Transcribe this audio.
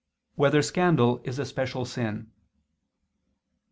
3] Whether Scandal Is a Special Sin?